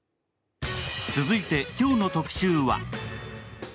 続いて今日の特集は？